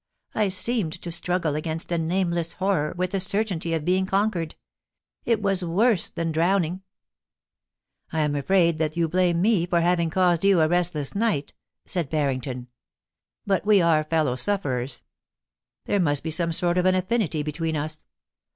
I seemed to struggle against a nameless horror, with the certainty of being con quered. It was worse than drowning.* * I am afraid that you blame me for having caused you a restless night,* said Barrington. ' But we are fellow sufferers ; there must be some sort of an affinity between us.